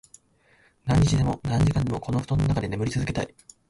何日でも、何時間でも、この布団の中で眠り続けたい。